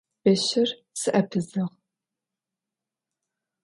Beşır s'epızığ.